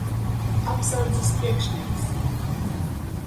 Apsardzes priekšnieks.